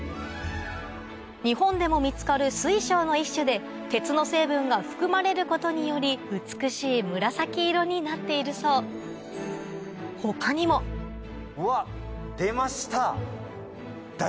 日本でも見つかる水晶の一種で鉄の成分が含まれることにより美しい紫色になっているそう他にもうわっ出ました！